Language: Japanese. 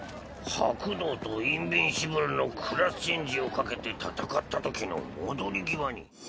白道とインビンシブルのクラスチェンジを賭けて戦ったときの戻り際に。